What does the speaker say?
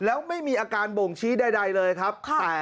แล้วไม่มีอาการบ่งชี้ใดเลยครับ